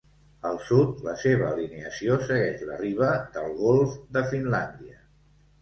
Al sud, la seva alineació segueix la riba del golf de Finlàndia.